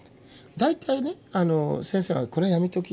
大体ね先生が「これはやめとき」。